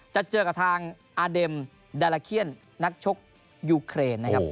จะเจอกับทางอาเด็มดาลาเคียนนักชกยูเครนนะครับ